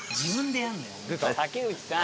竹内さん。